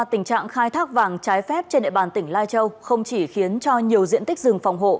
tình trạng khai thác vàng trái phép trên địa bàn tỉnh lai châu không chỉ khiến cho nhiều diện tích rừng phòng hộ